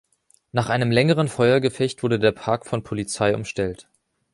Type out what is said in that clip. Nach einem längeren Feuergefecht wurde der Park von Polizei umstellt.